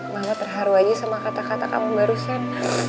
maka terharu aja sama kata kata kamu barusan